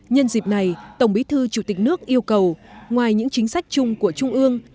nhân dịp này tổng bí thư chủ tịch nước yêu cầu ngoài những chính sách chung của trung ương